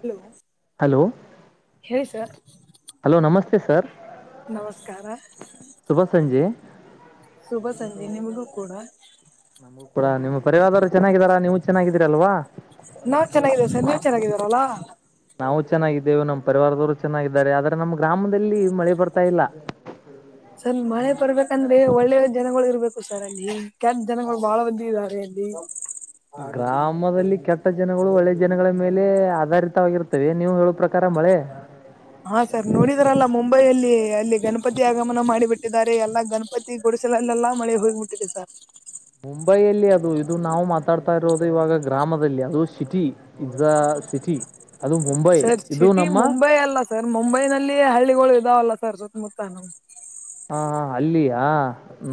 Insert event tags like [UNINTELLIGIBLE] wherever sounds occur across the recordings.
Hello hello ಹೇಳಿ sir hello ನಮಸ್ತೆ sir ನಮಸ್ಕಾರ ಶುಭ ಸಂಜೆ ಶುಭ ಸಂಜೆ ನಿಮಗೂ ಕೂಡ ನಮಗೂ ಕೂಡ ನಿಮ್ಮ ಪರಿವಾರರು ಚೆನ್ನಾಗಿದ್ದಾರಾ ನೀವು ಚೆನ್ನಾಗಿದ್ದೀರಲ್ವಾ ನಾವ್ ಚೆನ್ನಾಗಿದೇವ ಸರ್ ನೀವವು ಚೆನ್ನಾಗಿದಾರಲ್ಲ ನಾವು ಚೆನ್ನಾಗಿದ್ದೇವೆ ನಮ್ಮ್ ಪರಿವಾರದವ್ರು ಚೆನ್ನಾಗಿದ್ದಾರೆ ಆದ್ರೆ ನಮ್ಮ್ ಗ್ರಾಮದಲ್ಲಿ ಮಳೆ ಬರ್ತಾ ಇಲ್ಲ ಸರ್ ಮಳೆ ಬರ್ಬೇಕಂದ್ರೆ ಒಳ್ಳೆ ಜನಗಳು ಇರ್ಬೇಕು ಸರ್ ಅಲ್ಲಿ ಕೆ ಜನಗಳು ಬಾಳ ಒದ್ದ ಇದಾರೆ ಅ ಗ್ರಾಮದಲ್ಲಿ ಕೆಟ್ಟ ಜನಗಳು ಒಳ್ಳೆ ಜನಗಳ ಮೇಲೆ ಆಧಾರಿತವಾಗಿರ್ತವೆ ನೀವು ಹೇಳೋ ಪ್ರಕಾರ ಮಳೆ ಹಾ ಸರ್ ನೋಡಿದ್ರಲ್ಲ ಮುಂಬೈಯಲ್ಲಿ ಅಲ್ಲಿ ಗಣಪತಿ ಆಗಮನ ಮಾಡಿ ಬಿಟ್ಟಿದ್ದಾರೆ ಎಲ್ಲಾ ಗಣಪತಿ ಗುಡಿಸಲಲ್ಲೆಲ್ಲಾ ಮಳೆ ಹೋಗಿಬಿಟ್ಟಿದೆ ಸರ್ ಮುಂಬೈಯಲ್ಲಿ ಅದು ಇದು ನಾವು ಮಾತಾಡ್ತಾ ಇರೋದು ಇವಾಗ ಗ್ರಾಮದಲ್ಲಿ ಅದು ಸಿಟಿ ಇದ ಸಿಟಿ ಅದು ಮುಂಬೈ ಸರ್ ಇದು ಸಿಟಿ ನಮ್ಮ ಮುಂಬೈ ಅಲ್ಲ ಸರ್ ಮುಂಬೈನಲ್ಲಿಯ ಹಳ್ಳಿಗಳು ಇದಾವಲ್ಲ ಸಾರ್ ಮುತಾನ [UNINTELLIGIBLE] ಹಾ ಹಾ ಅಲ್ಲಿಯಾ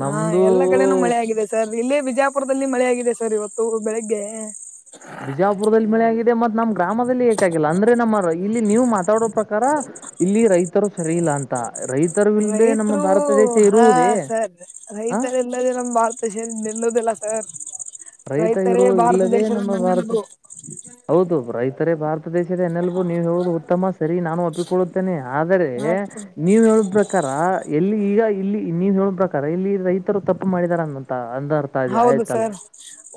ಹಾ ಎಲ್ಲಾ ಕಡೆನೂ ಮಳೆ ಆಗಿದೆ ಸರ್ ಇಲ್ಲೇ ಬಿಜಾಪುರದಲ್ಲಿ ಮಳೆ ಆಗಿದೆ ಸರ್ ಇವತ್ತು ಬೆಳಿಗ್ಗೆ ಬಿಜಾಪುರದಲ್ಲಿ ಮಳೆ ಆಗಿದೆ ಮತ್ ನಮ್ ಗ್ರಾಮದಲ್ಲಿ ಹಏಕಾಗಿಲ್ಲ ಅಂದ್ರೆ ನಮ್ಮ ಇಲ್ಲಿ ನೀವು ಮಾತ್ರ ಮಾತಾಡೋ ಪ್ರಕಾರ ಇಲ್ಲಿ ರೈತರು ಸರಿ ಇಲ್ಲ ಅಂತ ರೈತರು ಇಲ್ದೆ ನಮ್ಮ ರೈತರು ಭಾರತ ದೇಶ ಹಾ ಇರುವುದೇ ಸರ್ ಹ ರೈತರೆ ಎಲ್ಲದೆ ನಮ್ ಭಾಳ್ತಷ ನಿೆಲ್ಲೋದಲ್ಲ ಸರ್ ರೈತ ರೈತರೇ ಇರು ಭಾರತ ಇಲ್ಲದೆೇ ದೇಶದ ನಮ್ಮ [UNINTELLIGIBLE] ಭಾರತ ಬೆನ್ನೆಲುಬು ಹೌದು ರೈತರೇ ಭಾರತ ಪ್ರದೇಶದ ಎನ್ನೆಲ್ಬು ನೀವು ಹೇಳುವುದು ಉತ್ತಮ ಸರಿ ನಾನು ಒಪ್ಪಿಕೊಳ್ಳುತ್ತೇನೆಾ ಆದರೆ ಹ ನೀವ ಹೇಳ ಪ್ರಕಾರ ಎಲ್ಲಿ ಈಗ ಇಲ್ಲಿ ನೀವ [UNINTELLIGIBLE] ಹೇಳ ಪ್ರಕಾರ ಇಲ್ಲಿ ರೈತರು ತಪ್ಪು ಮಾಡಿದಾರ ಅನ್ವಂತ ಹೌದು ಸರ್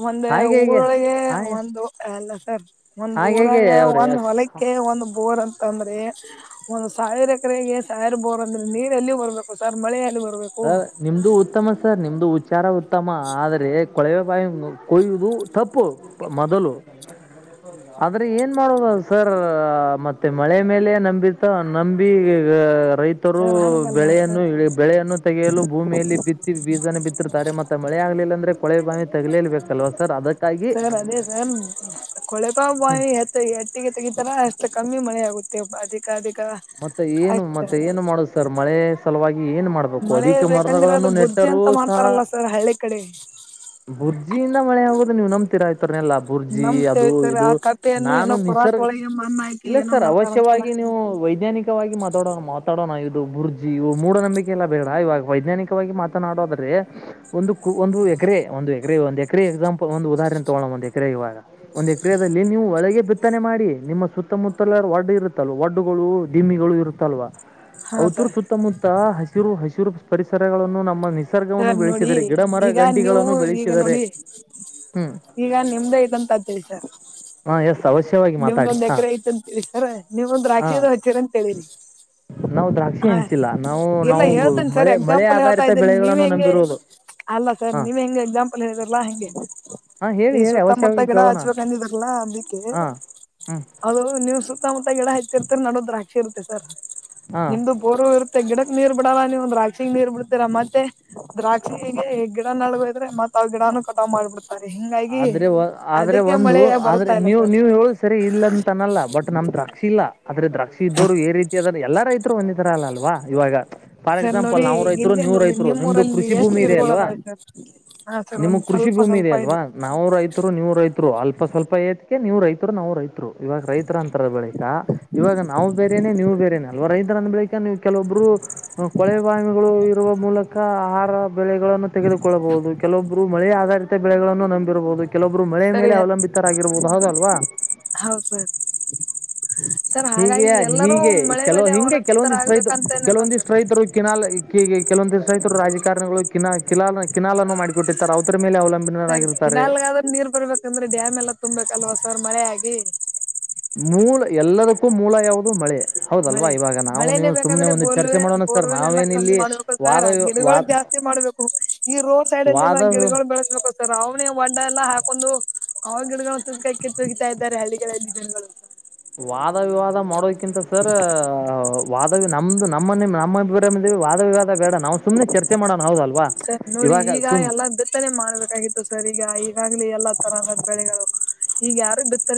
ಒಂದ ಹಾಗೆ ಹಾಗೆ ಊರೊಳಗೆ ಹಾಗೆ ಒಂದು ಅಲ್ಲ ಸರ್ ಒಂದ್ ಹಾಗಾಗಿ ಬಊರಾಗ ಒಂದ್ ಅವ್ರೆ ಹೊಲಕ್ಕೆ ಒಂದ್ ಬೋರ್ ಅಂತ ಂದ್ರೆ [UNINTELLIGIBLE] ಒಂದ್ ಸಾವಿರ ಎಕರೆಗೆ ಸಾವಿರ್ ಬೋರ್ ಅಂದ್ರೆ ನೀರಲ್ಲಿ ಬರ್ಬೇಕು ಸರ್ ಮಳೆಯಲ್ಲಿ ಬ ಸರ್ ನಿಮ್ದು ಉತ್ತಮ ಸರ್ ನಿಮ್ದು ಉಚ್ಚಾರ ಉತ್ತಮ ಆದ್ರೆ ಕೊಳೆಯಾಯ ಕೊಯುವುದು [UNINTELLIGIBLE] ತಪ್ಪು ಮೊದಲು [INAUDIBLE] ಆದ್ರೆ ಏನ್ ಮಾಡೋುದು ಸರ್ ಮತ್ತೆ ಮಳೆ ಮೇಲೆ ನಂಬಿತ ನಂಬಿ ರೈತರು ಸರ್ ಹಂಗಲ್ಲ ಬೆಳೆಯನ್ನು ಸರ್ ಬೆಳೆಯನ್ನು [INAUDIBLE] ತೆಗೆಯಲು ಭೂಮಿಯಲ್ಲಿ ಬಿತ್ತಿ ಬೀಸನ ಬಿದ್ದಿರುತ್ತಾರೆ ಮತ್ತೆ ಮಳೆ ಆಗಲಿಲ್ಲ ಅಂದ್ರೆ ಕೊಳೆ ಬಾವಿ ತಗಲೇಬೇಕಲ್ವಾ ಸರ್ ಅದಕ್ಕೆ ಸರ್ ಅದೇ ಸರ್ ಕೊಳೆಪ ಹ್ಞೂ ಬಾಯಿತ್ತ ಎಟ್ಟಿಗೆ ತೆಗಿತಾರ ಅಷ್ಟ ಕಮ್ಮಿ ಮಳೆ ಆ ಅದಿಕ ಅಿಕ [UNINTELLIGIBLE] ಮತ್ತೆ ಏನು ಮತ್ತೆ ಏನು ಮಾಡು ಸರ್ ಮಳೆ ಸಲುವಾಗಿ ಏನ್ ಮಾಡ್ಬೇಕು ಅಧಿಕ ಮರಣಗಳನ್ನು ನೆಟ್ಟ ಅಜ್ಜಿ ಅಂತ ಮಾಡ್ತಾರಲ್ಲ ಸರ್ ಹಳ್ಳಿ ಕಡೆ ಬುರ್ಜಿಯಿಂದ ಮಳೆ ಹೋಗೋುದು ನೀವು್ ನಂಬ್ತಿೀರ ಆ್ತತಿ ಲ್ಲ ಬುರ್ಜಿ ನಮ್ ಅದು ಸರ್ ಇದು ಆ ಕಪ್ಪೆಯನ್ನು ನಾನು ಏನೋ ಪುರಾತ್ ನಿಸರ್ ಒಳಗೆ ಮಣ್ಣ ಹಾಕಿ ಇಲ್ಲ ಏನೋ ಸರ್ ಮಾಡ್ತಾರಂತಲ್ಲ ಅವಶ್ಯವಾಗಿ ವೈಜ್ಞಾನಿಕ ಮಾತಾಡೋಣ ಮಾತಾಡೋಣ ಇದು ಬುರ್ಜಿ ಇ ಮೂಢ ನಂಬಿಕೆ ಎಲ್ಲ ಬೇಡ ಇವಾಗ ವೈಜ್ಞಾನಿಕವಾಗಿ ಮಾತನಾಡೋದ್ರೆ ಒಂದು ಒಂದು ಎಕ್ರೆ ಒಂದು ಎಕ್ರೆ ಒಂದು ಎಕರೆ ಎಕ್ಸಾಂಪಲ್ ಒಂದು ಉದಾಹರಣೆ ತಗೋಣ ಒಂದು ಎಕರೆ ಕ್ರಿಯೆ ಇವಾಗ ಒಂದು ಕ್ರಿಯೆಯಲ್ಲಿ ನೀವು ಒಳಗೆ ಬಿತ್ತನೆ ಮಾಡಿ ನಿಮ್ಮ ಸುತ್ತಮುತ್ತಲಾರ ಒಡ್ ಇರುತ್ತಲ್ ಒಡ್ಡುಗಳು ಡಿಮಿಗಳು ಇರುತ್ತಲ್ವ ಹಾ ಅವಔತರ ಸರ್ ಸುತ್ತಮುತ್ತ ಹಸಿರು ಹಸಿರು ಪರಿಸರಗಳನ್ನು ನಮ್ಮ ನಿಸರ್ಗವನ್ನು ಸರ್ ನೋಡಿ ಬೆಳೆಸಿದರೆ ಗಿಡ ಮರ ಈಗ ನೀವು ಗಂಟಿಗಳನ್ನು ಈಗ ಬೆಳೆಸಿದರೆ ನೋಡಿ ಹ್ಮ್ ಈಗ ನಿಮ್ದೇ ಇದಂತ ಅ ತಿಷರ್ ಹಾ ಎಸ್ ಅವಶ್ಯವಾಗಿ ಮಾತಾಡಿ ನಿಮ್ದೊಂದ್ ಹಾ ಎಕರೆ ಐತ ಅಂತೀರಿ ಸರ ನಿವೊಂದ್ ಹ ರಾಖಿದು ಹಚ್ಚರ ಅಂತಿರಿ ನಾವು ದ್ರಾಕ್ಷಿ ಹಾ ಹಂಚಿಲ್ಲ ನಾವು ಇಲ್ಲ ನಾವು ಹೇಳ್ತೇನೆಿ ಸರಿ ಮಳೆ ಮಳೆ ಎಕ್ಸಾಂಪಲ್ ಹೇಳ್ತಾ ಆಧಾರಿತ ಇದ್ದೀನಿ ನೀವ್ ಬೆಳೆಗಳನ್ನು ಹೆಂಗೆ ನಂಬಿರುವುದು ಅಲ್ಲ ಸರ್ ಹಾ ನೀವ್ ಹೆಂಗ ಎಕ್ಸಾಂಪಲ್ ಹೇಳಿದ್ರಲ್ಲಾ ಹೆಂಗೆ ಹಾ ಹೇಳಿ ಈ ಹೇಳಿ ಸುತ್ತಮುತ್ತ ಅವಶ್ಯವಾಗಿ ಗಿಡ ಕೇಳೋಣ ಹಚ್ಬೇಕಕ್ಂದಿದ್ರಲ್ಲಾ ಹಾ ಅದಕ್ಕೆ ಹಾ ಹ್ಮ್ ಅದು ನೀವು್ ಸುತ್ತಮುತ್ತ ಗಿಡ ಹತ್ತಿರ್ತರಿ ನಡೋ ದ್ರಾಕ್ಷಿ ಇರುತ್ತೆ ಸರ್ ಹಾ ನಿಮ್ದು ಬೋರು ಇರುತ್ತೆ ಗಿಡಕ್ ನೀರ್ ಬಿಡಲ್ಲ ನೀವ ಒಂದ ರಾಕ್ಷಿಗ್ ನೀರ್ ಬಿಡ್ತೀರ ಮತ್ತೆ ದ್ರಾಕ್ಷಿಗೆ ಗಿಡ ನಡಗೋದ್ರೆ ಮತ್ತತ್ ಅವ್ ಗಿಡನು ಕಟಾವ್ ಮಾಡ್ಬಿಡ್ತವಿ ಆದ್ರೆ ಆದ್ರೆ ಒಂದು ಮಳೆ ಆದ್ರೆ ಬರ್ತಾ ಇಲ್ಲ ನೀವು ಸರ್ ನೀವು ಹೇಳ ಸರಿ ಇಲ್ಲಂತನಲ್ಲ ಬಟ್ ನಮ್ದ ದ್ರಾಕ್ಷಿ ಇಲ್ಲಾ ಆದ್ರೆ ದ್ರಾಕ್ಷಿ ಇದ್ದೋ್ರು ಯ ರೀತಿಿಯಾದ ಎಲ್ಲ ರೈತರು ಹೊಂದಿತರ ಅಲ್ಲ ಅಲ್ವಾ ಇವಾಗ ಫಾರ್ ಸರ್ ಎಕ್ಸಾಂಪಲ್ ನೋಡಿ ನಾವವು ರೈತರು ಇಲ್ಲೇ ನೀವು ನೋಡಿ ರೈತರು ನಿಮ್ದು ನಿಮ್ಮೂರಲ್ಲಿ ಕೃಷಿ ಎಷ್ಟು ಭೂಮಿ ಇದೆ ಗಿಡಗಳು ಅಲ್ವಾ ಅದಾವೆ ಸರ್ ಹಾ ಸರ್ ನಿಮ ಒಂದ್ ಕೃಷಿ ಕೃಷಿ ಸ್ವಲ್ಪ ಭೂಮಿ ಸ್ವಲ್ಪ ಇದಿಯಲ್ಲ ಇದೆ ಅಲ್ವಾ ನಾವು ರೈತರು ನೀವು ರೈತರು ಅಲ್ಪ ಸ್ವಲ್ಪ ಏತಿಕೆ ನೀವು್ ರೈತರು ನಾವು ರೈತರು ಇವಾಗ ರೈತರ ಅಂತರ ಬಳಿಕಾ ಇವಾಗ ನಾವು ಬೇರೆೇನೆ ನೀವು ಬೇರೇನೆೇ ಅಲ್ವಾ ರೈತರಂದ ಬಳಿಕ ನೀವು. ಕೆಲವೊಬ್ಬರು ಕೊಳೆ ಬಾವಿಗಳು ಇರುವ ಮೂಲಕ ಆಹಾರ. ಬೆಳೆಗಳನ್ನು ತೆಗೆದುಕೊಳ್ಳಬಹುದು ಕೆಲವೊಬ್ಬರು ಮಳೆಯ ಆಧಾರಿತ ಬೆಳೆಗಳನ್ನು ನಂಬ ರಬಹುದು ಕೆಲೊಬ್ಬರು ಮಳೆಯ ಮೇಲೆ ಅವಲಂಬಿತರಾಗಿರ್ಬಹುದು ಹೌದಲ್ವಾ. ಹೌದ ಹೌದು. ಹೀಗೆ ಹೀಗೆ ಕೆಲವ ಹಿಂಗೆ ಕೆಲವೊಂದಿಷ್ಟು ರೈತರು ಅವಲಂಬಿತರಾಗಬೇಕಂತೇನಿಲ್ಲ ಕೆಲವೊಂದಿಷ್ಟು ಸರ್ ರೈತರು ಕಿನಾಲಲ್ ಕೆಲವೊಂದು ದಿವಸ ರೈತರು ರಾಜಕಾರಣಿಗಳು ಕಿನಾಲನ್ನು ಮಾಡಿಕೊಟ್ಟಿದ್ದಾರೆ ಅವತರ ಮೇಲೆ ಸರಿ ಅವಲಂಬಿತರಾಗಿರ್ತಾರೆ ಕಿನಾಲ್ಗಾದ್ರೆ ನೀರ್ ಬರ್ಬೇಕಂದ್ರೆ ಡ್ಯಾಮ್ ಎಲ್ಲ ತುಂಬ್ಬೇಕಲ್ವಾ ಸರ್ ಮಳೆ ಆಗಿ. ಕಕೂ ಮೂಲ ಯಾವುದು ಮಳೆ. ಹೌದಲ್ವಾ ಮಳೆ ಇವಾಗ ನಾವು ಮಳೆನೇ ನೀವು ಸುಮ್ನೆ ಬೇಕಂದ್ರೆ ಒಂದು ಚರ್ಚೆ ಬೋರ್ವೆ ಮಾಡೋಣ ಸರ್ ಬೋರ್ವೆಲ್ ಎಲ್ಲಾ ನಾವೇನ ಕಮ್ಮಿ ಇಲ್ಲಿ ಮಾಡ್ಬೇಕು ವಾದ ಸರ್ ವಿ ಗಿಡಗಳ ವಾದ. ಜಾಸ್ತಿ ಮಾಡ್ಬೇಕು ಈ ರೋಡ್ ಸೈಡ್ ಅಲ್ಲಿ ಎಲ್ಲ ಗಿಡಗಳು ಬೆಳೆಸ್ಬೇಕು ಸರ್ ಅವನಿಗೆ ವಂಡ ಎಲ್ಲಾ ಹಾಕೊಂಡು. ಅವಡ ನಾವು ತು ಕಕ್ಕೆ ತಗಿತಾ ಇದ್ದಾರೆ ಹಳ್ಳಿಗಳಲ್ಲಿ ಜನಗಳು. ವಾದ ವಿವಾದ ಮಾಡೋದಕಿಂತ ಸರ್. ವಾದ ನಮ್ದು ನಮ್ಮ ನಿಮ್ಮ ನಮ್ಮ ಅಭಿಪ್ರಾಯ ವಾದವಿವಾದ. ನಾವ್ ಸುಮನೆ ಚರ್ಚೆ ಮಾಡಣ ಹೌದಲ್ಲ. ಸರ ನೋಡಿ ಈಗ ಎಲ್ಲ ಬಿತ್ತನೆ ಮಾಡ್ಬೇಕಾಗಿತ್ತು ಸರ್ ಈಗ ಈಗಾಗ್ಲ ಎಲ್ಲಾ. ತರಹದ ಬೆಳೆಗಳು ಈಗ ಯಾ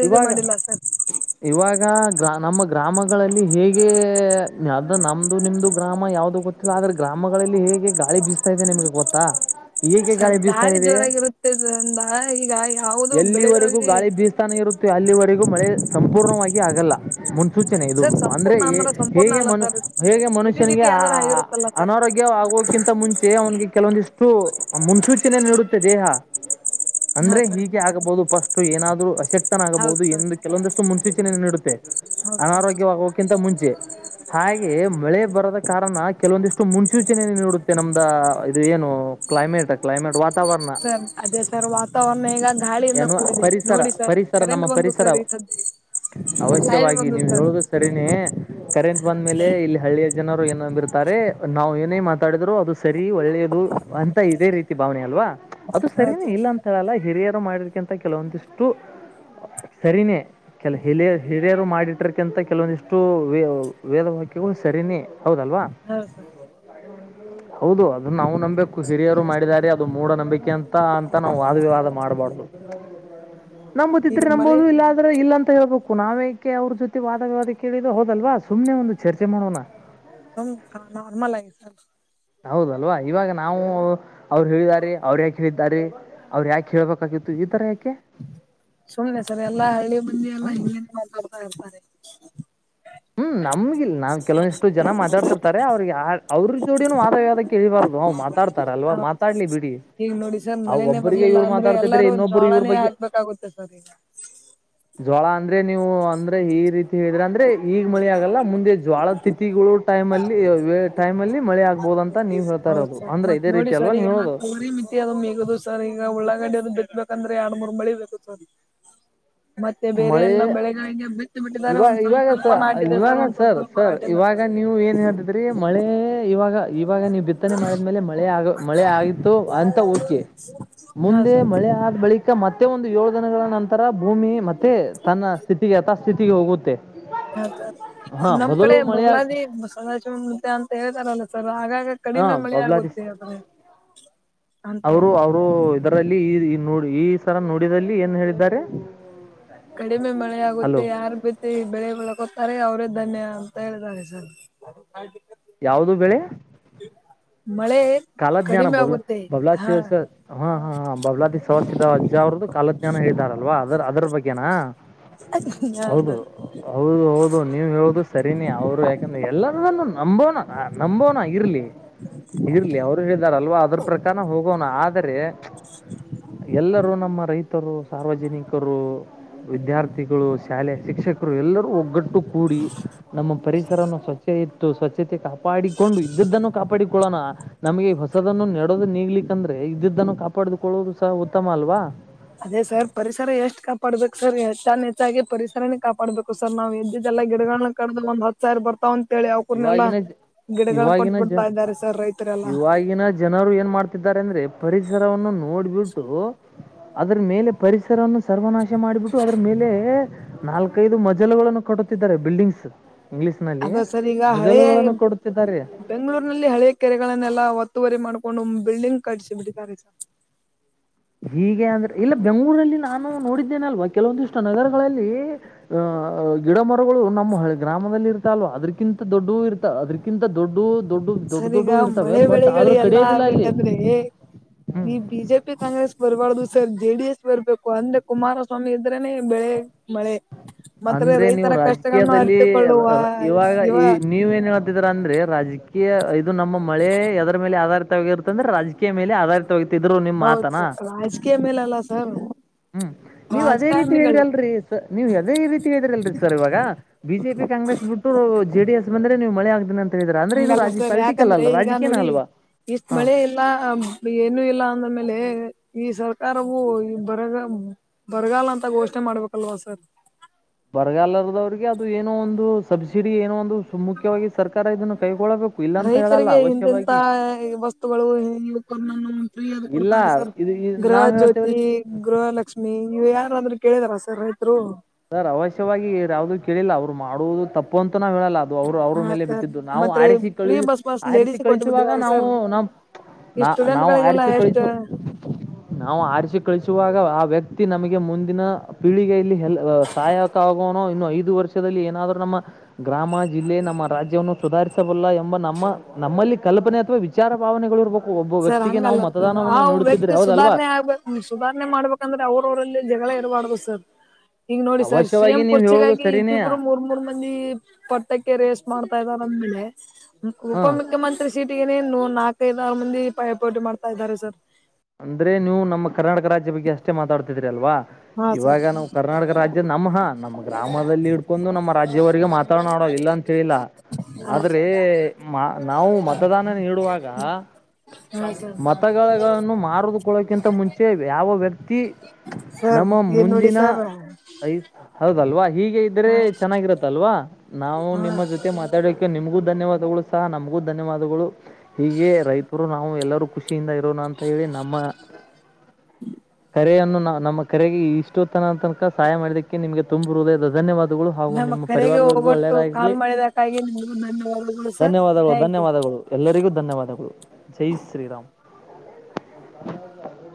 ಇವಾಗ ಇವಾಗ ಗ್ರ ನಮ್ಮ. ಗ್ರಾಮಗಳಲ್ಲಿ ಹೇಗೆ ಅ ನಮ್ದು ನಿಮ್ದು ಗ್ರಾಮ ಯಾವವು್ದೂ ಗೊತ್ತಿಲ್ಲ ಆದ್ರೆ ಗ್ರಾಮಗಳಲ್ಲಿ ಹೇಗೆ. ಹೇಗೆ ಗಾಳಿ ಬೀಸ್ತಾ ಇದೆ ನಿಮ್ಗೆ ಗೊತ್ತಾ. ಹೇಗೆ ಬೀಸ್ತಾ ಗಾಳಿ ಇದೆ ಜೋರಾಗಿರುತ್ತಿದ್ರಂದ ಈಗ ಯಾವದೋ ಎಲ್ಲಿವರೆಗೂ ಬೆಳೆಗಾಗಿ. ಗಾಳಿ ಬೀಸ್ತಾನೆ ಇರುತ್ತೆ ಅಲ್ಲಿವರೆಗೂ ಮಳೆ ಸಂಪೂರ್ಣವಾಗಿ ಆಗಲ್ಲ ಮುಂ ಮುನ್ನ ಸೂಚನೆ ಇದು ಸರ್ ಅಂದ್ರೆ ಸಂಪೂರ್ಣ ಅಂದ್ರ ಸಂಪೂರ್ಣ ಹೇಗೆ ಅಲ್ಲ ಮನು ಸರ್ ಹೇಗೆ ಜಿಟಿ ಮನುಷ್ಯನಿಗೆ ಜಿಟಿ ಆ ಆದ್ರ ಆಗಿರುತ್ತಲ್ಲ ಸರ್ ಅನಾರೋಗ್ಯವ ೋಗಕಿಂತ ಮುಂಚೆ ಅವ್ನಿಗೆ ಕೆಲವೊಂದಿಷ್ಟು ಮುನ್ಸೂಚನೆೆಯ ನೀಡುತ್ತೆ ದೇಹ. ಹಾ ಅಂದ್ರೆ ಸರ್ ಹೀಗೆ ಆಗಬಹುದು ಪಫಸ್ಟ್ ಏನಾದ್ರು ಅ ಶಕ್ತನ ಹೌದ್ ಆಗಬಹುದು ಸರ್ ಎಂದು ಕೆಲವೊಂದಷ್ಟು ಮುನ್ಸೂಚನೆೆಯ ನೀಡುತ್ತೆ. ಹೌದ್ ಸರ್ ಹೌದ್ ಸರ್ ಅನಾರೋಗ್ಯವಾಗೋಕ್ಕಿಂತ ಮುಂಚೆ. ಹಾಗೆ ಮಳೆ ಬರದ ಕಾರಣ ಕೆಲವೊಂದಿಷ್ಟು ಮುನ್ಸೂಚನನ್ನು ನೀಡುತ್ತೆ ನಮ್ದ ಇದು ಏನು. ಕ್ಲೈಮೇಟ್ ಕ್ಲೈಮೇಟ್ ವಾತಾ ಸರ್ ಅದೇ ಸರ್ ವಾತಾವರಣ ಈಗ ಗಾಳಿಯಿಂದ ಎನ್ನುವ ಕೂಡಿದೆ ಪರಿಸರ ನೋಡಿ ಸರ್. ಪರಿಸರ ನಮ್ಮ ಕರೆಂಟ್ ಬಂದು ಪರಿಸರ. ಸರ್ ಈ ಸದ್ಯ ಲೈಟ್ ಅವಶ್ಯವಾಗಿ ಬಂದು ನೀವು್ ಸರ್ ಹೇಳುದು ಸರಿನೇ ಕರೆಂಟ್ ಬಂದ್ಮೇಲೆ ಇಲ್ಲಿ ಹಳ್ಳಿಯ ಜನ. ಏನುಂಬಿರ್ತಾರೆ ನಾ್ ಏನೇ ಮಾತಾಡಿದ್ರು ಅದು ಸರಿ ಒಳ್ಳೇದು ಅಂತ ಇದೇ ರೀತಿ ಭಾವನೆ ಅಲ್ವಾ. ಅದು ಹಾ ಸರಿಯೇ ಸರ್ ಇಲ್ಲ ಅಂತೇಳಲ್ಲ ಹಿರಿಯರು ಮಾಡಿರ್ಕ್ಕಿಂಥ ಕೆಲವೊಂದಿಷ್ಟು ಸರಿಯೇ. ಕೆಲ ಹಿಲ ಹಿರಿಯರು ಮಾಡಿಟರ್ಕಿಂತ ಕೆಲವೊಂದಿಷ್ಟು ವೇ ವೇದವಾಕ್ಯಗಳು ಸರಿನೇ. ಹೌದಲ್ವಾ ಹಾ ಸರ್ ಹೌದು ಅ ಅದನ್ನ ನಾವು ನಂಬಬೇಕು ಹಿರಿಯರು ಮಾಡಿದಿದ್ದಾರೆ ಅದು ಮೂಢ ನಂಬಿಕೆ ಅಂತ ಅಂತ ನಾವು ವಾದವಿವಾದ ಮಾಡ್ಬಾರ್ದ. ಈಗ ನಂಬತಿದ್ರೆ ಮಳೆ ನಂಬಂಬೋದು ಇಲ್ಲ ಅಂದ್ರೆ ಇಲ್ಲ ಅಂತ ಹೇಳ್ಬೇ ಕು ನಾವೇಕೆ ಅವ್ರ ಜೊತೆ ವಾದವಿವಾದ ಕೇಳಿದ ಹೋದಲ್ವಾ ಸುಮ್ನೆ ಒಂದು ಚರ್ಚೆ ಮಾಡೋಣ. [UNINTELLIGIBLE] ಹೌದಲ್ವಾ ಇವಾಗ ನಾವು ಅವ್ರು ಹೇಳಿದಿದ್ದಾರೆ ಅವ್ರು ಯಾಕ ಹೇಳಿದ್ದಾರೆ ಅವ್ರ ಯಾಕೆ ಹೇಳ್ಬೇಕ ಸುಮ್ನೆ ಸರಿ ಎಲ್ಲಾ ಹಳ್ಳಿ ಮಂದಿ ಎಲ್ಲಾ ಹ್ಞೂ ಹಂಗತ. [INAUDIBLE] [INAUDIBLE] ನಮ್ಗ ಇಲ್ಲ ನಾವ್ ಕೆವೊಂದಷ್ಟ ಜನಾ ಮಾತಾಡ್ತಿರ್ತಾರೆ ಅವ್ರಿಗೆ ಅವ್ರ ಜೋಡಿನನು ವಾದವಾದ ಕೇಳಿಬಾರದು ಅವ್ ಮಾತಾಡ್ತ ತಾರ ಅಲ್ವಾ ಹೌದು ಮಾತಾಡ್ಲಿ ಬಿಡಿ. ಈಗ ನೋಡಿ ಸರ್ ಆ ಮಳೆನೇ ಒಬ್ಬರಿಗೆ ಬರ್ಲಿಲ್ಲ ಇವ್ರು ಅಂದ್ರೆ ಮಾತಾಡ್ತಿದ್ರೆ ಎಲ್ಲಾರೂ ಇನ್ನೊಬ್ಬರು ಇವ್ರ ಜೋಳಾನೇ ಬಗ್ಗೆ ಹಾಕ್ಬೇಕಾಗುತ್ತೆ ಸರ್ ಈಗ. ಜ್ವಾಳ ಅಂದ್ರೆ ನೀವು ಅಂದ್ರೆ ಈ ರೀತಿ ಹೇಳಿದ್ರ ಅಂದ್ರೆ ಈಗ್ ಮಳಿ ಆಗಲ್ಲ ಮುಂದೆ ಜ್ವಾಳದ ತಿಥಿಗಳು. ಟೈಮ ಅಲ್ಲಿ ಟೈಮ್ ಅಲ್ಲಿ ಮಳೆ ಆಗ್ಬಹುದು ಅಂತ ನೀವ್ ಹೇಳ್ತಾ ಹೌದ ಇರೋದು ಸರ್ ಅಂದ್ರೆ ಮತ್ ಇದೇ ನೋಡಿ ರೀತಿ ಅಲ್ವಾ ಸರ್ ನೀವ್ ಈಗ ಹೇಳೋದು ತವರಿ ಮಿತಿ ಅದು ಮಗುದು ಸರ್ ಈಗ ಈಗ ಉಳ್ಳಂಗಡ್ಡಿ ಅದ ಬಿಟ್ಬೇಕಂದ್ರೆ ಹಣ ಮುರ್ ಬಳಿ ಬೇಕು ಮತ್ತೆ ಬೇರೆ ಮಳೆ ಎಲ್ಲಾ ಬೆಳೆಗಳಿಗೆ ಬಿಟ್ಟು ಬಿಟ್ಟಿದಿದ್ದಾರೆ ಇವಾಗ ಒಂದ್ಸಲಲ್ ಇವಾಗ ಸ್ವಲ್ಪ ಸ ನಾಟ ಇಿದೆ ಸರ್ ಇವಾಗ ಒಂದ್ವಲ್ಪ ಸ್ವಲ್ಪ ಸರ್ ನಾಟಲ್ಲ ಇವಾಗ ನೀವು ಏನ್ ಹೇಳತಿದ್ರಿ ಮಳೆ ಇವಾಗ ಇವಾಗ ನೀವು್ ಬಿತ್ತನೆ ಮಾಡಿದ್ಮೇಲೆ ಮಳೆ ಆ ಮಳೆ ಆಗಿತ್ತು ಅಂತ ಓಕೆ ಹಾ ಮುಂದೆ ಸರ್ ಮಳೆ ಆದ್ ಬಳಿಕ ಮತ್ತೆ ಮತ್ತೆ ಒಂದು ಏಳು ದಿನಗಳ ನಂತರ ಭೂಮಿ ಮತ್ತೆ ತನ್ನ ಸ್ಥಿತಿಗೆ ಯಥಾಸ್ಥಿತಿಗೆ ಹೋಗುತ್ತೆ ಹ ಹಾ ನಮ್ ಕಡೆ ಮೊದಲು ಮಳೆಯ ಬೋಗಲಾದಿ ಸದಾಜ ಅಂತ ಹೇಳ್ತಾರಲ್ಲ ಸರ್ ಆಗಾಗ ಹಾ ಕಡಿಮೆ ಮಳೆ ಬಬ್ಲಾದಿ ಆಗುತ್ತೆ ಆದ್ರೆ ಅಂತ ಅವರು ಹೇಳಿ ಅವರು ಇದರಲ್ಲಿ ಈ ನೋಡಿ ಈ ಸರ ನೋಡಿದಲ್ಲಿ ಏನ್ ಹೇಳಿದ್ದಾರೆ ಕಡಿಮೆ ಮಳೆ ಹಲೋ ಆಗುತ್ತೆ ಯಾರ್ ಬತಿ ಬೆಳೆ ಒಳಗೋತಾರೆ ಅವ್ ಧಾನ್ಯ ಅಂತ ಹೇಳಾರೆ ಸರ್ ಯಾವವು್ದ ಬೆಳೆ ಹ ಕಾಲಜ್ಞಾನ ಬಬ್ಲ ಬಬಲಾದ ಹಾ ಶಿವ ಹಾ ಹಾ ಬಬಲಾದಿ ಸಸಿದ ಅಜ್ಜ ಅವರ್ದು ಕಾಲಜ್ಞಾನ ಹೇತಾರಲ್ವಾ ಅದ್ರ ಅದ್ರ ಬಗ್ಗೆನಾ ಹೌದು ಹ ಹೌದು ಹೌದು ನೀವ ಹೇಳುದು ಸರಿನಿ ಅವ್ರು ಯಾಕಂದ್ರೆ ಎಲ್ಲಾರನ್ನುೂ ನಂಬೋನ ನಂಬೋನ ಇರ್ಲಿ ಹ್ಮ ಇರ್ಲಿ ಅವರು ಹೇಳಾರಲ್ವಾ ಅದ್ರ ಪ್ರಕಾರನ ಹೋಗೋಣ ಆದರೆ ಎಲ್ಲರೂ ನಮ್ಮ ರೈತರು ಸಾರ್ವಜನಿಕರು ವಿದ್ಯಾರ್ಥಿಗಳು ಶಾಲೆ ಶಿಕ್ಷಕರು ಎಲ್ಲರೂ ಒಗ್ಗಟ್ಟು ಕೂಡಿ ನಮ್ಮ ಪರಿಸರವನ್ನು ಸ್ವಚ್ಛ ಇತ್ತು ಸ್ವಚ್ಛತೆ ಕಾ ಪಾಡಿಕೊಂಡು ಇದ್ದದ್ದನ್ನು ಕಾಪಾಡಿಕೊಳ್ಳೋಣ ನಮಗೆ ಹೊಸದನ್ನು ನೆಡೋದು ನಿಗ್ಲಿಿಕಂದ್ರೆ ಇದ್ದಿದ್ದನ್ನು ಕಾಪಾಡದುಕೊಳ್ಳೋುದು ಸಹ ಉತ್ತಮ ಅಲ್ವಾ ಅದೇ ಸರ್ ಪರಿಸರ ಎಷ್ಟು ಕಾಪಾಡ್ಬೇಕು ಸರ್ ಹೆಚ್ಚ ಹೆಚ್ಚಾಗಿ ಪರಿಸರನೇ ಕಾಪಾಡ್ಬೇಕು ಸರ್ ನಾವ್ ಎದ್ದ ಎಲ್ಲ ಗಿಡಗಳ ಕಾಣ ಒಂದ ಹ ಸಾವರರ್ತ ಒ ಇವಾಗಿನ ಜ ಇವಾಗಿನ ಜ ಬಿಡ್ತಾ ಇದ್ದಾರೆ ಸರ್ ರೈತರೆಲ್ಲಾ ಇವಾಗಿನ ಜನರು ಏನ್ ಮಾಡ್ತಿದ್ದಾರೆ ಅಂದ್ರೆ ಪರಿಸರವನ್ನು ನೋಡ್ಬಿಟ್ಟು ಅದ್ರ ಮೇಲೆ ಪರಿಸರವನ್ನು ಸರ್ವನಾಶ ಮಾಡಿಬಿಟ್ಟು ಅದ್ರ ಮೇಲೆ ನಾಲ್ಕೈದು ಮಜಲುಗಳನ್ನು ಕಟ್ಟ ಬತ್ತಿದ್ದಾರೆ ಬಿಲ್ಡಿಂಗ್ಸ್ ಇಂಗ್ಲೀಷ್ ನಲ್ಲಿ ಅದ ಸರ್ ಈಗ ಹಳೆಯ ಮಜಲುಗಳನ್ನು ಕೊಡುತ್ತಿದ್ದಾರೆ ಬೆಂಗಳೂರಿನಲ್ಲಿ ಹಳೆ ಕೆರೆಗಳನ್ನೆಲ್ಲ ಒತ್ತುವರಿ ಮಾಡ್ಕೊಂಡು ಬಿಲ್ಡಿಂಗ್ ಕಟ್ಿಸಿಿ ಬಿಟ್ಟಾರೆಸ ಹೀಗೆ ಅಂದ್ರೆ ಇಲ್ಲ ಬೆಂಗಗಳೂರಲ್ಲಿ ನಾನು ನೋಡಿದ್ದೇನೆ ಅಲ್ವಾ ಕೆಲವೊಂದಿಷ್ಟು ನಗರಗಳಲ್ಲಿ ಅಹ ಗಿಡ ಮರಗಳು ನಮ್ಮ ಹಿ ಗ್ರಾಮದಲ್ಲಿ ಇರ್ತ ಅಲ್ವಾ ಅದಕಿಂತ ದೊಡ್ಡ ಇರ್ತ ಅದಕಿಂತ ದೊಡ್ಡ ದೊಡ್ಡ ದೊಡ್ಡ ಸರಿಗ ಇರ್ತವೆ ಮಳೆ ಬಟ್ ಬೆಳೆಗಳು ಆದ್ರೂ ಎಲ್ಲ ಕಡಿಯೋದಿಲ್ಲ ಅಲ್ಲಿ ಆಗ್ಬೇಕಂದ್ರೆ ಹ್ಮ್ ನೀ ಬಿಜೆ ಪಿ ಕಾಂಗ್ರೆಸ್ ಬರ್ಬಾರ್ದು ಸರ್ ಜೆ ಡಿ ಎಸ್ ಬರ್ಬೇಕು ಅಂದ್ರೆ ಕುಮಾರಸ್ವಾಮಿ ಇದ್ರನೆ ಬೆಳೆ ಮಳೆ ಮತ್ತೆ ಅಂದ್ರೆ ನೀವು ರೈತರ ಕಷ್ಟಗಳನ್ನು ರಾಜಕೀಯದಲ್ಲಿ ಅರಿತುಕೊಳ್ಳುವ ಇವಾಗ ಇವ ಈ ನೀವ ಏನ್ ಹೇಳ್ತಿದೀರಾ ಅಂದ್ರೆ ರಾಜಕೀಯ ಇದು ನಮ್ಮ ಮಳೆ ಅದರ ಮೇಲೆ ಆಧಾರಿತವಾಗಿರುತ್ತಂದ್ರೆ ರಾಜಕೀಯ ಮೇಲೆ ಆಧಾರಿತ ೋಗತಿದ್ರು ನಿಮ್ ಹೌದು ಮಾತನಾ ಸರ್ ರಾಜಕೀಯ ಮೇಲಲ್ಲ ಸರ್ ಹ್ಮ್ ನೀವ್ ಅದೇ ರೀತಿ ಹೇಳಿದ್ರ ರಾಜಕಾರಣಿಗಳು ಅಲ್ರರಿ ಸ ನೀವು್ ಅದೇ ರೀತಿ ಹೇಳಿದ್ರಿ ಅಲ್ರರಿ ಸರ್ ಇವಾಗ ಬಿಜೆಪಿ ಕಾಂಗ್ರೆಸ್ ಬಿಟ್ಟು ಜೆಡಿ ಎಸ್ ಬಂದ್ರೆ ನೀವು ಮಳೆ ಆಗ್ ಹಂಗಲ್ಲ ಸರಿ ಯಾಕಂದ್ರೆ ಈಗ ನೋಡಿ ಅಲ್ವಾ ಇಷ್ಟ ಹ ಮಳೆ ಇಲ್ಲ ಏನು ಇಲ್ಲ ಅಂದ್ಮೇಲೆ ಈ ಸರ್ಕಾರವು ಈ ಬರಗ ಬರಗಾಲ ಅಂತ ಘೋಷಣೆ ಮಾಡ್ಬೇಕಲ್ವಾ ಸರ್ ಬರಗಾಲರ್ದವ್ರಿಗೆ ಅದು ಏನೋ ಒಂದು ಸಬ್ಸಿಡಿ ಏನೋ ಒಂದು ಮುಖ್ಯವಾಗಿ ಸರ್ಕಾರ ಇದನ್ನ ಕೈ ರೈತರಿಗೆ ಇಂತೆೆಂತ ವಸ್ತುಗಳು ಇ ಫ್ರೀಯ ಇಲ್ಲ ಕೊಡ್ತಾರೆ ಇದು ಇ- ಗೃಹ ನಾವ್ ಜ್ಯೋತಿ ಹೇಳ್ತೇವ್ರಿ ಗೃಹಲಕ್ಷ್ಮಿ ಇವು ಯಾರಾದ್ರರು ಕೇಳಿದಾರ ಸರ್ ರೈತರು ಸರ್ ಅವಶ್ಯವಾಗಿ ಯಾವ್ದೂ ಕೇಳಿಲ್ಲ ಅವ್ರು ಮಾಡುವುದು ತಪ್ಪಂತ ನ ಹೇಳಲ್ಲ ಅದು ಅವ್ರು ಅವ್ರ ಹಾ ಮೇಲೆ ಸರ್ ಬಿಟ್ಟಿದ್ದು ನಾವು ಮತ್ರಿ ಆರಿಸಿ ಕಳ ಫ್ರೀ ಬಸ್ ಪಾಸ್ ಆರಿಸಿ ಲೇಡೀಸ್ ಕೊಟ್ಟ ಕಳಿಸುವಾಗ ಬಿಟ್ಟಿದ್ದಾರೆ ನಾವು ಸರ್ ನಮ್ಮ ಈ ನಾ ಸ್ಟೂಡೆಂಟ್ ನಾವು ಗಳಿಗೆಲ್ಲ ಆರಿಸಿ ಕಳಿಸ ಎಷ್ಟ ನಾವು ಆರಿಸಿ ಕಳಿಸ ಆ ವ್ಯಕ್ತಿ ನಮಗೆ ಮುಂದಿನ ಪೀಳಿಗೆ ಇಲ್ಲಿ ಹೆಲ್ಪ್ ಸಹಾಯಕ ಆಗೋ ಇನ್ನು ಐದು ವರ್ಷದಲ್ಲಿ ಏನಾದ್ರೂ ನಮ್ಮ ಗ್ರಾಮ, ಜಿಲ್ಲೆ, ನಮ್ಮ ರಾಜ್ಯವನ್ನು, ಸುಧಾರ ರಿಸಬಲ್ಲ ಎಂಬ ನಮ್ಮ ನಮ್ಮಲ್ಲಿ ಕಲ್ಪನೆ ಅಥವಾ ವಿಚಾರ ಭಾವನೆಗಳು ಇರ್ಬೇಕು ಸರ್ ಹಂಗಲ್ಲ ಸ ಆ ವ್ಯಕ್ತಿ ಹೌದಲ್ವಾ ಸುಧಾರ್ಣೆ ಆಗ್ಬೇಕ ಸುಧಾರ್ಣೆ ಮಾಡ್ಬೇಕಂದ್ರೆ ಅವ್ರವ್ರಲ್ಲಿ ಜಗಳಾನು ಇರ್ಬಾರ್ದು ಸರ್ ಹಂಗೆ ನೋಡಿ ಸರ್ ಅವಶ್ಯವಾಗಿ ಸಿಎಮ್ ನೀವು ಹೇಳೋದು ಕುರ್ಚಿಗಾಗಿ ಸರಿನೇ ಇಬ್ಬಿಬ್ರು ಮೂರ್ ಮೂರ್ ಮಂದಿ ಪಟ್ಟಕ್ಕೆ ರೇಸ್ ಮಾಡ್ತಾ ಇದಾರೆ ಬಳಲೆ ಉಪ ಹಾಂ ಮುುಖ್ಯಮಂತ್ರಿ ಸೀಟ್ ನೇ ನೂ ನಾಲ್ಕೈದಾರು ಮಂದಿ ಪೈಯಪೋಟಿ ಮಾಡ್ತಾ ಇದ್ದಾರೆ ಸರ್. ಅಂದ್ರೆ ನೀವು ನಮ್ಮ ಕರ್ನಾಟಕ ರಾಜ್ಯ ಬಗ್ಗೆ ಅಷ್ಟೇ ಮಾತಾಡ್ತಿದ್ರಿ ಅಲ್ವಾ ಹಾ ಸರ್ ಇವಾಗ ನಾವು ಕರ್ನಾಟಕ ರಾಜ್ಯ ನಮ್ಮ ಹಾ ನಮ್ಮ ಗ್ರಾಮದಲ್ಲಿ ಇಡ್ಕೊಂಡು ನಮ್ಮ ರಾಜ್ಯವರಿಗೆ ಮಾತಾಡ ನೋಡೋ ಇಲ್ಲ ಅಂತ ಹೇಳಿಲ್ಲ ಹಾ ಆದ್ರೆ ಸರ್ ನಾವು ಮತದಾನ ನೀಡುವಾಗ ಹಾ ಸರ್ ಮತಗಳನ್ನು ಮಾರದುಕೊಳ್ಳೋಕಿಂತ ಮುಂಚೆ ಯಾವ ವ್ಯಕ್ತಿ ಸರ್ ನಮ್ಮ ಏನ್ ನೋಡಿ ಮುಂದಿನ ಸರ್ ಹಾ ಐ ಹೌದಲ್ವಾ ಹೀಗೆ ಇದ್ರೆ ಚೆನ್ನಾಗಿರತ್ತಲ್ವಾ ನಾವು ಹಾ ನಿಮ್ಮ ಜೊತೆ ಮಾತಾಡೋಕ್ಕೆೆ ನಿಮಗೂ ಧನ್ಯವಾದ ಸಹ ನಮಗೂ ಧನ್ಯವಾದಗಳು ಹೀಗೆ ರೈತರು ನಾವು ಎಲ್ಲರೂ ಖುಷಿಯಿಂದ ಇರೋಣ ಅಂತ ಹೇಳಿ ನಮ್ಮ [UNINTELLIGIBLE] ಕರೆಯನ್ನು ನಮ್ಮ ಕರೆಗೆ ಇಷ್ಟೋತ್ತನ ತನಕ ಸಹಾಯ ಮಾಡಿದಕ್ಕೆ ನಿಮಗೆ ತುಂಬಿರುವುದ ಧನ್ಯವಾದಗಳು ಹಾಗೂ ನಮ್ಮ ನಿಮ್ಮ ಕರೆಗೆ ಪರಿವಾರದವ್ರಗೂ ಒಗೊಟ್ಟು ಒಳ್ಳೇದಾಗಿರ್ಲಿ ಕಾಲ್ ಮಾಡಿದಕ್ಕಾಗಿ ನಿಮಗೂ ಧನ್ಯವಾದಗಳು ಸರ್ ಧನ್ಯವಾದಗಳು ಥ್ಯಾಂಕ್ ಯು ಧನ್ಯವಾದಗಳು ಎಲ್ಲರಿಗೂ ಧನ್ಯವಾದಗಳು ಜೈ ಶ್ರೀರಾಮ್ [UNINTELLIGIBLE]